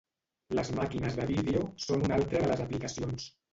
Les màquines de vídeo són una altra de les aplicacions.